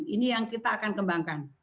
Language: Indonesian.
ini yang kita akan kembangkan